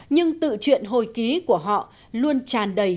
nhưng tự chuyện hồi ký của họ luôn tràn đầy